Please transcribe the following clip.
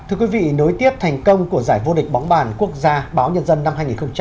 thưa quý vị nối tiếp thành công của giải vô địch bóng bàn quốc gia báo nhân dân năm hai nghìn hai mươi ba